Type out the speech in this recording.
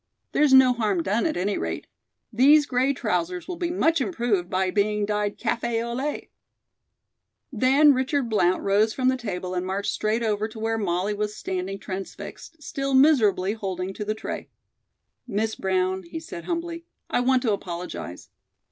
There's no harm done, at any rate. These gray trousers will be much improved by being dyed cafe au lait." Then Richard Blount rose from the table and marched straight over to where Molly was standing transfixed, still miserably holding to the tray. "Miss Brown," he said humbly, "I want to apologize.